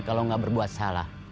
kalau gak berbuat salah